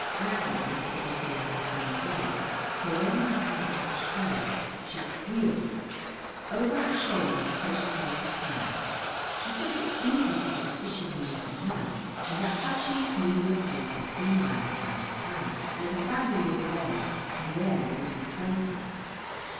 Aggie must have been feeling the same way, for when my hand touched hers she squealed. Over her shoulder Tish told her plan. She said it was easy to get fishing worms at night and that Hutchins knew of a place a few miles out of town where the family was away and where there would be plenty.